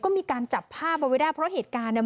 ก็มีการจับภาพบรรเวราะเหตุการณ์เนี่ย